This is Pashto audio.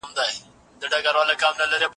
کيږدۍ د غره په لمنه کې ولاړه وه.